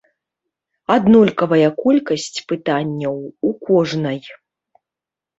Аднолькавая колькасць пытанняў у кожнай.